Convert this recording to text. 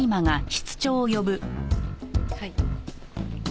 はい。